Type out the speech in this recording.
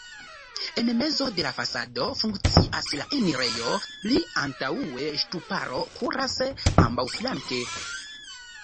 En mezo de la fasado funkcias la enirejo, pli antaŭe ŝtuparo kuras ambaŭflanke.